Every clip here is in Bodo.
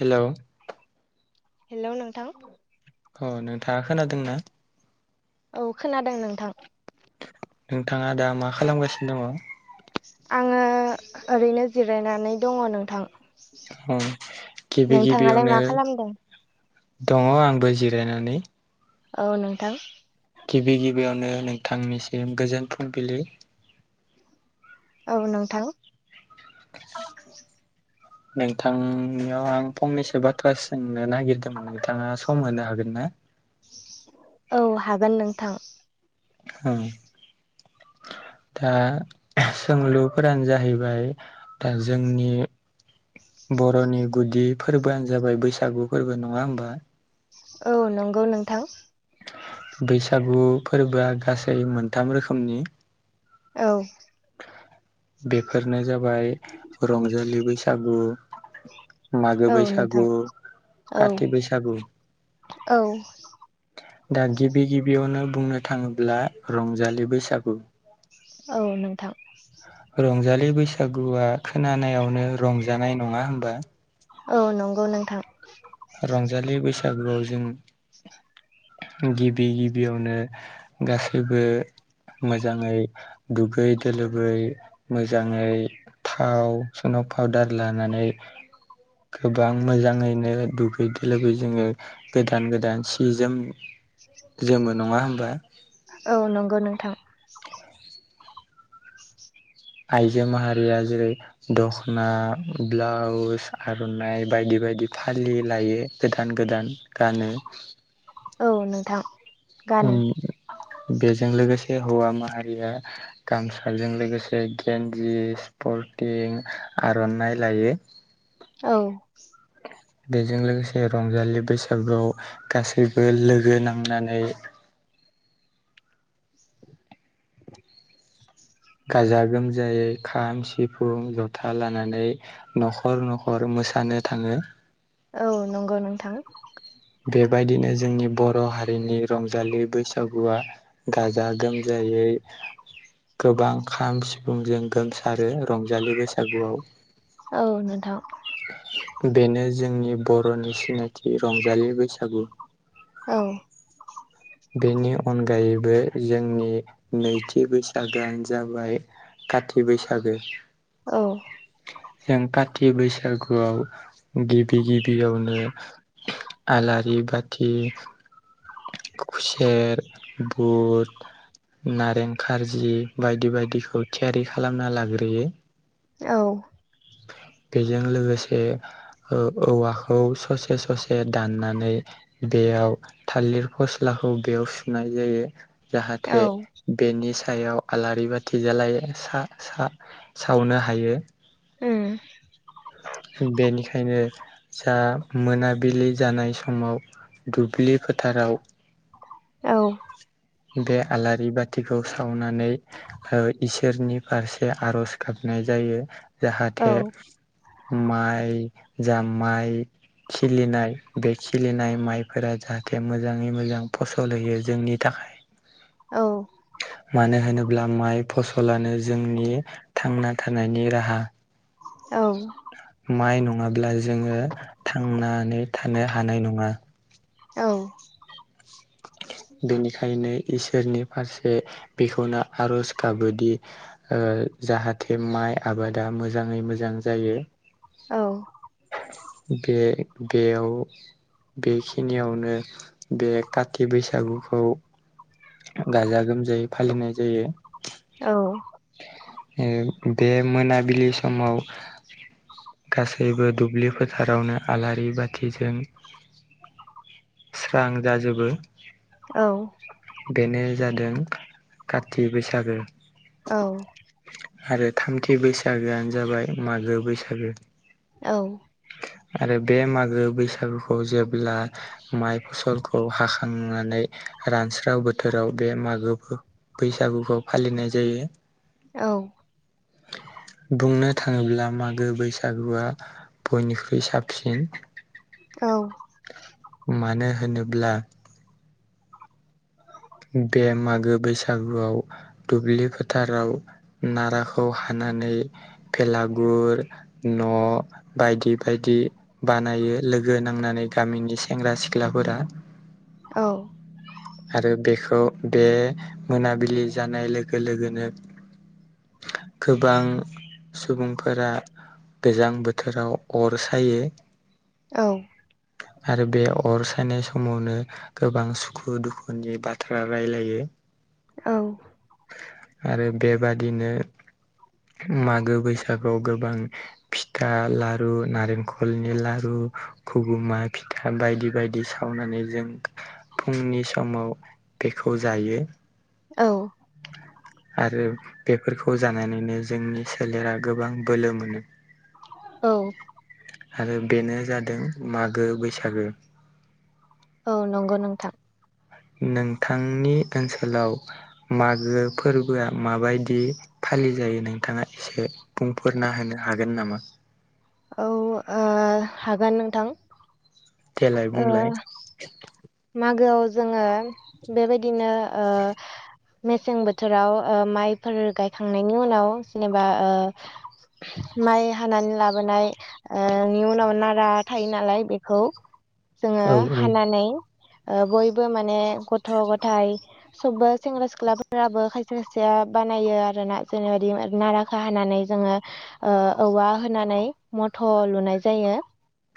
हेलौ हेल' नोंथां अ नोंथाङा खोनादों ना? औ खोनादों नोंथां नोंथाङा दा मा खालामगासिनो दङ आङो ओरैनो जिरायनानै दङ नोंथां गिबि नोंथाङालाय गिबियावनो मा खालामदों दङ आंबो जिरायनानै औ नोंथां गिबि गिबियावनो नोंथांनिसिम गोजोन फुंबिलिनि औ नोंथां स औ नोंथांनियाव आं फंनैसो बाथ्रा सोंनो नागिरदोंमोन नोंथाङा सम होनो हागोन ना औ हागोन नोंथां औ दा सोंलुफोरानो जाहैबाय दा जोंनि बर'नि गुदि फोरबोआनो जाबाय बैसागु फोरबो नङा होमबा औ नंगौ नोंथां बैसागु फोरबोआ गासै मोनथाम रोखोमनि औ बेफोरनो जाबाय रंजालि बैसागु मागो औ नोंथां बैसागु औ कथि बैसागु औ दा गिबि गिबियावनो बुंनो थाङोब्ला रंजालि बैसागु औ नोंथां रंजालि बैसागुआ खोनानायावनो रंजानाय नङा होनबा औ नंगौ नोंथां रंजालि बैसागुआव जों गिबि गिबियावनो गासैबो मोजाङै दुगै दोलोबै मोजाङै थाव सुनाव पाउदार लानानै गोबां मोजाङैनो दुगैद लोबै जोङो गोदान गोदान सि जोम जोमो नङा होमबा औ नंगौ नोंथां आइजो माहारिया जेरै दख'ना ब्लाउस आर'नाइ बायदि बायदि फालि लायो गोदान गोदान गानो औ नोंथां गानो बेजों लोगोसे हौवा माहारिया गामसाजों लोगोसे गन्दि स्पर्टिं आर'नाइ लायो औ बेजों लोगोसे रंजालि बैसागुआव गासैबो लोगो नांनानै गाजा गोमजायै खाम सिफुं जथा लानानै न'खर न'खर मोसानो थाङो औ नंगौ नोंथां बेबायदिनो जोंनि बर' हारिनि रंजालि बैसागुआ गाजा गोमजायै गोबां खाम सिफुंजों गोमसारो रंजालि बैसागुआव औ नोंथां बेनो जोंनि बर'नि सिनायथि रंजालि बैसागु औ बेनि अनगायैबो जोंनि नैथि बैसागोआानो जाबाय काथि बैसागो औ जों कथि बैसागुआव गिबि गिबियावनो आलारि बाथि खुसेर बुद नारें खार्जि बायदि बायदिखौ थियारि खालामना लाग्रोयो औ बेजों लोगोसे औवाखौ ससे ससे दाननानै बेयाव थालिर फस्लाखौ बेयाव सुनाय जायो औ जाहाथे बेनि सायाव आलारि बाथि जालायो सावनो हायो [unintelligible] बेनिखायनो जा मोनाबिलि जानाय समाव दुब्लि फोथाराव औ बे आलारि बाथिखौ सावनानै इसोरनि फारसे आर'ज गाबनाय जायो औ जाहाथे माइ जामाइ खिलिनाय बे खिलिनाय माइफोरा जाहाथे मोजाङै मोजां फसल होयो जोंनि थाखाय [inaudible] औ मानो होनोब्ला माइ फसलानो जोंनि थांना थानायनि राहा औ माइ नङाब्ला जोङो थांनानै थानो हानाय नङा औ बेनिखायनो इसोरनि फारसे बेखौनो आर'ज काबादि जाहाथे माइ आबादा मोजाङै मोजां जायो औ बे बेयाव बेखिनियावनो बे काति बैसागुखौ गाजा गोमजायै फालिनाय जायो औ बे मोनाबिलि समाव गासैबो दुब्लि फोथारावनो आलारि बाथिजों स्रां जाजोबो औ बेनो जादों कति बैसागो औ आरो थामथि बैसागोआनो जाबाय मागो बैसागो औ आरो बे मागो बैसागुखौ जेब्ला माइ फसलखौ हाख थांनानै रानस्राव बोथोराव बे मागोखौ बैसागुखौ फालिनाय जायो औ बुंनो थाङोब्ला मागो बैसागुआ बयनिख्रुइ साबसिन औ मानो होनोब्ला बे मागो बैसागुआव दुब्लि फोथाराव नाराखौ हानानै बेलागुर न' बायदि बायदि बानायो लोगो नांनानै गामिनि सेंग्रा सिख्लाफोरा औ आरो बेखौ बे मोनाबिलि जानाय लोगो लोगोनो गोबां सुबुंफोरा गोजां बोथोराव अर सायो औ आरो बे अर सायनाय समावनो गोबां सुखु दुखुनि बाथ्रा रायलायो औ आरो बेबादिनो मागो बैसागुआव गोबां फिथा लारु नारेंखलनि लारु खुबुमा फिथा बायदि बायदि सा सावनानै जों फुंनि समाव बेखौ जायो औ [inaudible] आरो बेफोरखौ जानानैनो जोंनि सोलेरा गोबां बोलो मोनो [inaudible] औ आरो बेनो जादों मागो बैसागो औ नंगौ नोंथां नोंथांनि ओनसोलाव मागो फोरबोआ माबायदि फालिजायो नोंथाङा एसे बुंफोरना होनो हागोन नामा औ ओ हागोन नोंथां देलाय ओ बुंलाय मागोआव जोङो बेबायदिनो ओ मेसें बोथोराव ओ माइफोर गायखांनायनि उनाव जेनेबा ओ माइ हानानै लाबोनायनि उनाव नारा थायो नालाय बेखौ जोङो औ हानानै ओ बयबो माने गथ' गथाइ सबबो सेंग्रा सिख्लाफोराबो खायसे खायसेया बानायो आरोना जेरैबादि नारा हानानै जोङो ओ औवा होनानै मथ' लुनाय जायो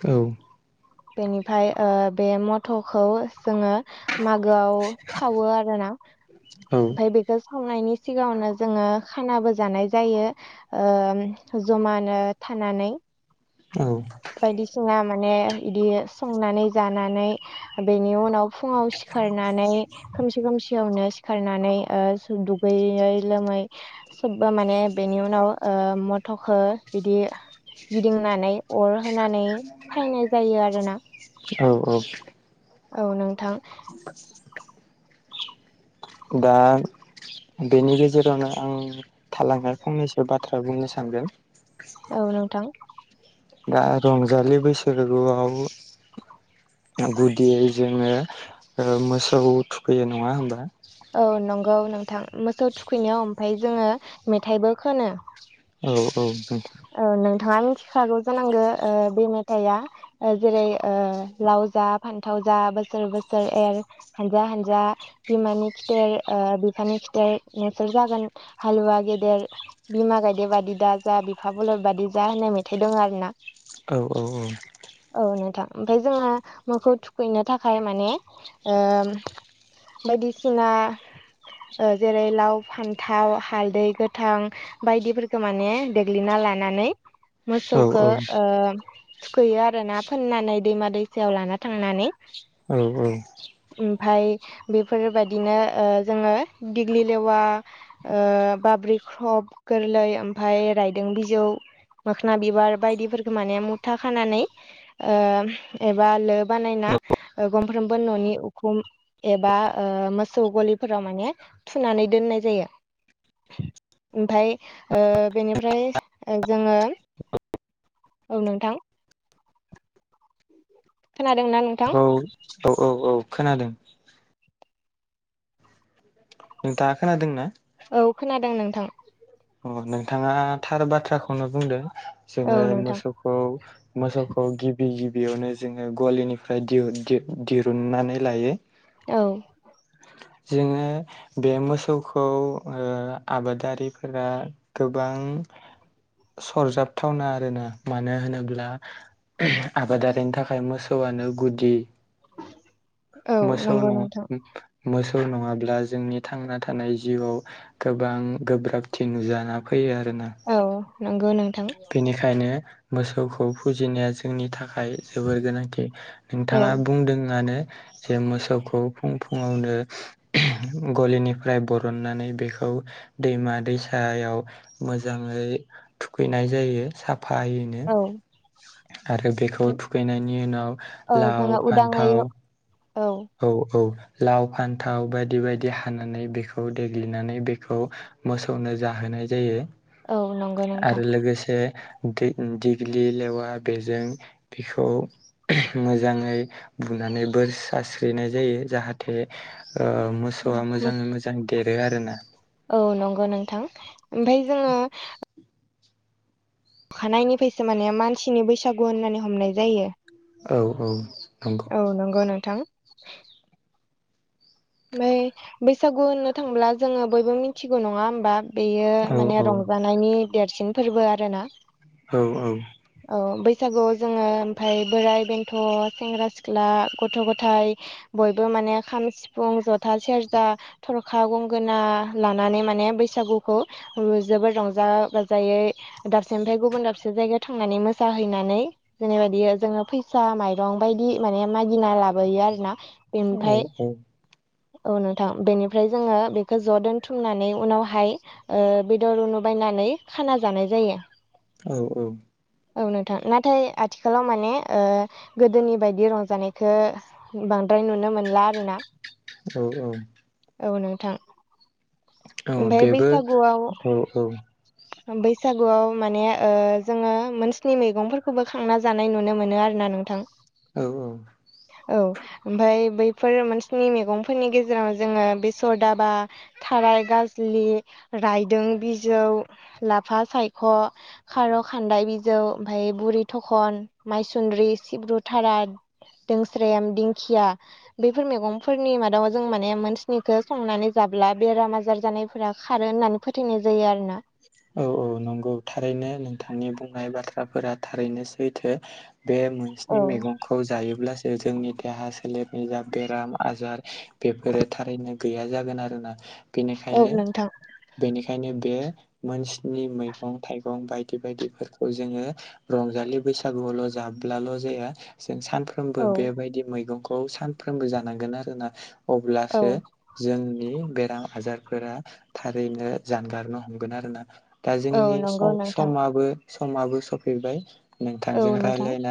औ बेनिफ्राय ओ बे मथ'खौ जोङो मागोआव सावो आरोना औ ओमफाय बेखौ सावनायनि सिगाङावनो जोङो खानाबो जानाय जायो ओ जमानो थानानै औ बायदिसिना माने बिदि संनानै जानानै बेनि उनाव फुङाव सि खारनानै खोमसि खोमसियावनो सिखारनानै दुगैयै लोमै सोबबो माने बेनि उनाव ओ मथ'खौ बिदि गिदिंनानै अर होनानै सायनाय जायो आरोना औ औ औ नोंथां [inaudible] दा बेनि गेजेरावनो आं थालांनाय फंनैसो बाथ्रा बुंनो सानदों औ नोंथां दा रंजालि बैसागोआव गुदियै जोङो ओ मोसौ थुखैयो नङा होमबा औ नंगौ नोंथां मोसौ थुखैनायाव ओमफ्राय जोङो मेथाइबो खोनो औ औ दोंथ' औ नोंथाङा मिथिखागौ जानांगौ ओ बे मेथाइया ओ जेरै लाव जा फान्थाव जा बोसोर बोसोर एर हानजा हानजा बिमानि खिथेर ओ बिफानि खिथेर नोंसोर जागोन हालुवा गेदेर बिमा गायदेबादि दा जा थाबल बादि जा होननाय मेथाइ दं आरो ना। औ औ औ। औ नोंथां ओमफ्राय जोङो मोखौ थुखैनो थाखाय माने ओ बायदिसिना ओ जेरै लाव फान्थाव हालदै गोथां बायदिफोरखौ माने गोलिना लानानै औ मोसौखो ओ थुखैयो आरो ना फोननानै दैमा दैसायाव लाना थांनानै औ औ ओमफाय बेफोरबायदिनोओ जोङो दिग्लिलेवा ओ बाब्रि ख्रब गोरलै ओमफ्राय राय दोंबिजौ मोखोन बिबार बायदिफोरखौ माने मुथा खानानै ओ एबा लो बानायना सानफ्रोमबो न'नि उखुम एबा मोसौ गलिफोराव माने थुनानै दोननाय जायो ओमफ्राय ओ बेनिफ्राय जोङो [unintelligible] औ नोंथां। खोनादोंना नों औ औ औ औ खोनादों। नोंथांआ खोनादों ना? औ खोनादों नोंथां। अ नोंथाङा थार बाथ्राखौनो बुंदों औ जोङो नोंथां मोसौखौ मोसौखौ गिबि गिबियावनो जोङो गलिनिफ्राय दिरुननानै लायो। औ। जोङो बे मोसौखौ ओ आबादारि फोरा गोबां सरजाबथावना आरोना मानो होनोब्ला आबादारिनि थाखाय मोसौआनो गुदि। औ मोसौ नंगौ न नोंथां मोसौ नङाब्ला जोंनि थांना थानाय जिउआव गोबां गोब्राब थि नुजाना फैयो आरोना। औ नंगौ नोंथां। बेनिखायनो मोसौखौ फुजिनाया जोंनि थाखाय जोबोर गोनांथि। औ नोंथाङा बुंदोंआनो जे मोसौखौ फुं फुङावनो गलिनिफ्राय बरननानै बेखौ दैमा दैसा सायाव मोजाङै थुखैनाय जायो साफायै। औ आरो बेखौ थुखैनायनि उनाव औ लाव जोङो उदाङै फान्थाव औ औ औ लाव फान्थाव बायदि बायदि हानानै बेखौ देग्लिनानै बेखौ मोसौनो जाहोनाय जायो औ नंगौ नोंथां आरो लोगोसे दै दिग्लि लेवा बेजों बेखौ मोजाङै बुनानै बोर सारस्रि हैनाय जायो जाहाथे मोसौआ मोजाङै मोजां देरो आरोना। औ नंगौ नोंथां। ओमफ्राय जोङो अखानायनिफ्रायसो माने मानसिनि बैसागु होननानै हमनाय जायो। औ औ। औ नंगौ नोंथां। ओमफ्राय बैसागु होननो थांब्ला जोङो बयबो मिथिगौ नङा होमबा बेयो औ माने औ रंजा नायनि देरसिन फोरबो आरोना। औ औ। औ बैसागुआव जोङो ओमफ्राय बोराइ बेन्थ' सेंग्रा सिख्ला गथ' गथाय बयबो माने खाम सिफुं जथा सेरजा थरखा गंगोना लानानै माने बैसागुखौ जोबोद रंजा बाजायै दाबसेनिफ्राय गुबुन दाबसे जायगायाव थांनानै मोसाहैनानै जेनेबायदि जोङो फैसा माइरं बायदि माने मागिना लाबोयो आरो ना। औ औ। औ नोंथां बेनिफ्राय जोङो बेखौ ज' दोनथुमनानै उनावहाय ओ बेदर ना बायनानै खाना जानाय जायो औ औ औ नोंथां नाथाय आथिखालाव माने ओ गोदोनि बायदि रंजानायखौ बांद्राय नुनो मोनला आरोना औ औ औ नोंथां औ ओमफ्राय बेबो बैसागुआव औ औ बैसागुआव माने ओ जोंङो मोनस्नि मैगंफोरखौबो खांना जानाय नुनो मोनो आरोना नोंथां औ [unintelligible] औ ओमफ्राय बैफोर मोन स्नि मैगंफोरनि गेजेराव जोङो बेसर दाबा थाराय गाज्लि रायदों बिजौ लाफा सायख खार' खान्दाय बिजौ ओमफ्राय बुरि थखन माइसुन्द्रि सिब्रु थारा दोंस्रेम दिंखिया बैफोर मैगं फोरनि मादाव जों माने मोनस्निखौ संनानै जाब्ला बेराम आजार जानायफोरा खारो होननानै फोथायनाय जायो आरोना औ औ नंगौ थारैनो नोंथांनि बुंनाय बाथ्राफोरा थारैनो सैथो बे मोनस्नि औ मैगंखौ जायोब्लासो जोंनि देहा सोलेरनि जा बेराम आजार बेफोरो थारैनो गैया जागोन आरोना औ बेनिखायनो नोंथां बेनिखायनो बे मोन स्नि मैगं थाइगं बायदि बायदिफोरखौ जोङो रंजालि बैसागुआवल' जाब्लाल' जाया जों सानफ्रोमबो औ बेबायदि मैगंखौ सानफ्रोमबो जानांगोन आरोना औ अब्लासो जोंनि बेराम आजारफोरा थारैनो जानगारनो हमगोन आरोना दा औ जोंनि नंगौ नोंथां समाबो समाबो सफैबाय औ नोंथांजों नोंथां रायलायनानै